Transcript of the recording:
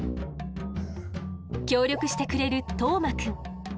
協力してくれる當眞くん。